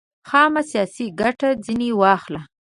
خامه سیاسي ګټه ځنې واخلو.